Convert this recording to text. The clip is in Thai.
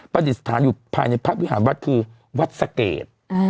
ดิษฐานอยู่ภายในพระวิหารวัดคือวัดสะเกด